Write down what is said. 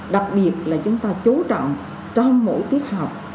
đặc biệt là chúng ta chú trọng trong mỗi tiết học